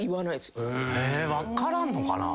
分からんのかな。